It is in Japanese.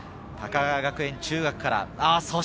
高川学園中学から。